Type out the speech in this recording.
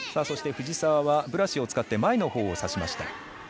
藤澤はブラシを使って前のほうを指しました。